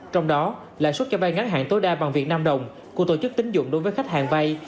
trong đó lãi suất cho vay ngắn hạn tối đa bằng việt nam đồng của tổ chức tính dụng đối với khách hàng vay